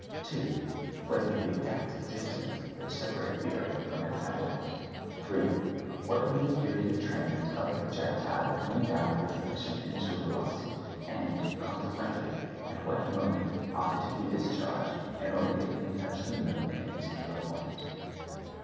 "2. What is the exact distance which separates the earth from its satellite? "3. What will be the period of transit of the projectile when endowed with sufficient initial velocity? and, consequently, at what moment ought it to be discharged in order that it may touch the moon at a particular point?